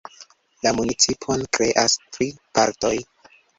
La municipon kreas tri partoj.